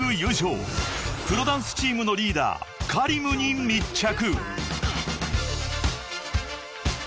［プロダンスチームのリーダーＫａｒｉｍに密着］